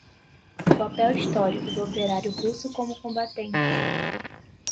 o papel histórico do operário russo como combatente